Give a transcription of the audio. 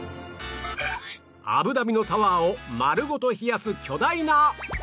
アブダビのタワーを丸ごと冷やす巨大な